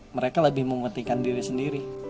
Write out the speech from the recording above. mereka lebih mementingkan diri sendiri